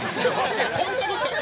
そんなことない。